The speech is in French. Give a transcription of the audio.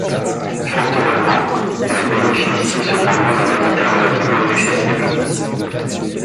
Fort heureusement, elles bénéficient cependant d'un habitat relativement inaccessible.